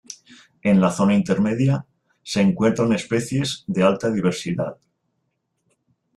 En la zona intermedia se encuentran especies de alta diversidad.